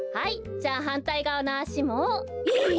じゃはんたいがわのあしも。えっ？